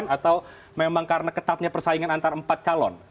atau memang karena ketatnya persaingan antara empat calon